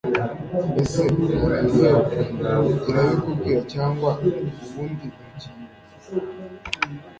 ese radio irabikubwira cg ubundi ntukiyumva